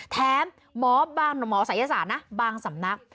แถมหมอบางหมอศัยศาสตร์นะบางสำนัก